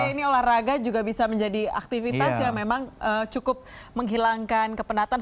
ini olahraga juga bisa menjadi aktivitas yang memang cukup menghilangkan kepenatan